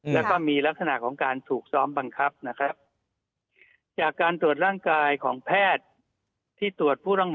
แล้วก็มีลักษณะของการถูกซ้อมบังคับนะครับ